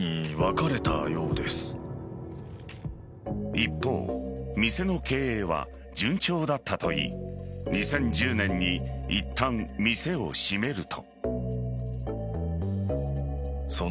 一方店の経営は順調だったといい２０１０年にいったん店を閉めると。